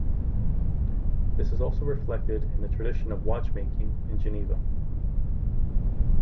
This is also reflected in the tradition of watchmaking in Geneva.